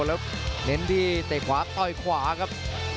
แล้วเน้นที่เตะขวาต่อยขวาครับ